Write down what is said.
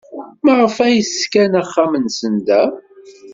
Maɣef ay ṣkan axxam-nsen da?